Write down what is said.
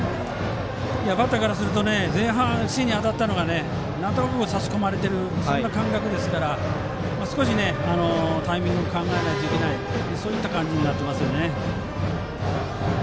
バッターからすると前半、芯に当たったのがなんとなく差し込まれている感覚ですから少しタイミングを考えないといけないそういった感じになっていますね。